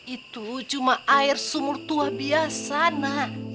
itu cuma air sumur tua biasa nak